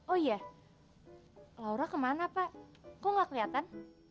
oh iya laura kemana pak kok gak kelihatan